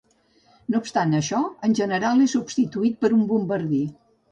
No obstant això, en general és substituït per un bombardí.